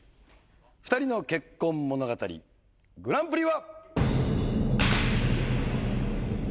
『２人の結婚物語』グランプリは！